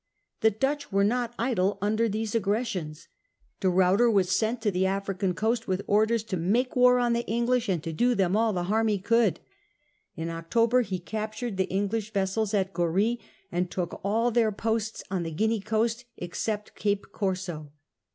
The Dutch were not idle under these aggressions. De Ruyter was sent to the African coast with orders to 4 make war on the English and to do them all the harm he could.* In October he captured the English vessels at Goree, and took all their posts on the Guinea coast except Cape Corso.